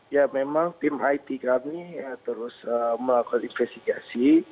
ya memang tim it kami terus melakukan investigasi